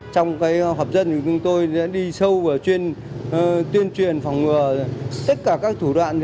trong hợp dân chúng tôi đã đi sâu và tuyên truyền phòng ngừa tất cả các thủ đoạn